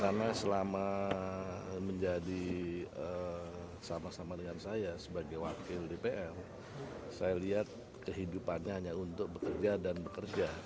karena selama menjadi sama sama dengan saya sebagai wakil dpr saya lihat kehidupannya hanya untuk bekerja dan bekerja